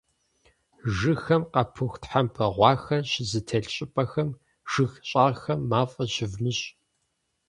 Жыгхэм къапыху тхьэмпэ гъуахэр щызэтелъ щӀыпӀэхэм, жыг щӀагъхэм мафӀэ щывмыщӀ.